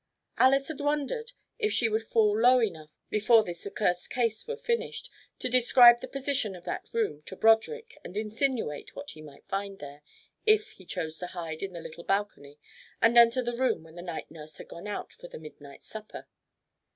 Alys had wondered if she should fall low enough before this accursed case were finished to describe the position of that room to Broderick and insinuate what he might find there if he chose to hide in the little balcony and enter the room when the night nurse had gone out for the midnight supper.